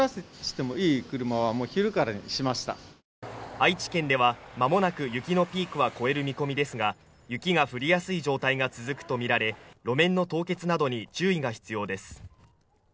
愛知県ではまもなく雪のピークは越える見込みですが雪が降りやすい状態が続くと見られ路面の凍結などに注意が必要です